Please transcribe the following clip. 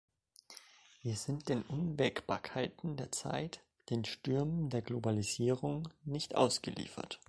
Wir sind den Unwägbarkeiten der Zeit, den Stürmen der Globalisierung nicht ausgeliefert.